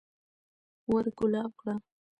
ور کولاو کړه